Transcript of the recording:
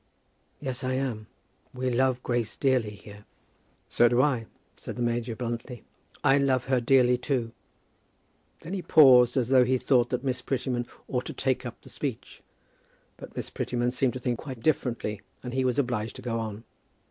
"Yes, I am. We love Grace dearly here." "So do I," said the major, bluntly; "I love her dearly, too." Then he paused, as though he thought that Miss Prettyman ought to take up the speech. But Miss Prettyman seemed to think differently, and he was obliged to go on.